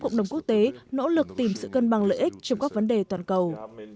cộng đồng quốc tế nỗ lực tìm sự cân bằng lợi ích trong các vấn đề toàn cầu